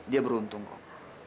dia beruntung kok